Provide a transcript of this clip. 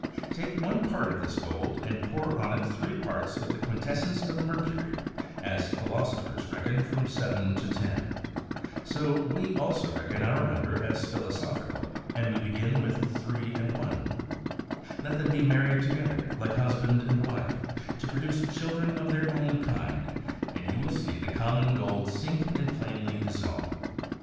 Take one part of this gold, and pour on it three parts of the quintessence of mer cury ; as philosophers reckon from seven to ten, so we also reckon our number as philosophical, and we begin with three and one ; let them be married together like husband and wife, to produce children of their own kind, and you will see the common gold sink and plainly dissolve.